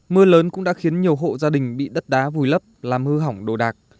mưa lớn cũng đã khiến nhiều hộ gia đình bị đất đá vùi lấp làm hư hỏng đồ đạc